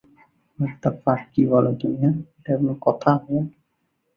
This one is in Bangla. যৌথভাবে অনেক গান পরিচালনা করেন।